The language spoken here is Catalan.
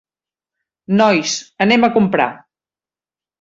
Nois, anem a comprar.